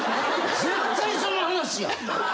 絶対その話やん！